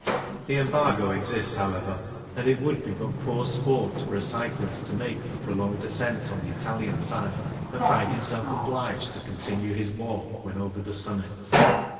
The embargo exists, however, and it would be but poor sport for a cyclist to make the prolonged ascent on the Italian side, and find himself obliged to continue his walk when over the summit.